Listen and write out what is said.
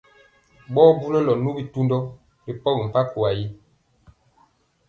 Ɓɔɔ bulɔlɔ nu bitundɔ ri pɔgi mpankwa yili.